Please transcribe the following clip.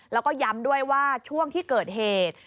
แล้วก็ย้ำด้วยว่าช่วงที่เกิดเหตุ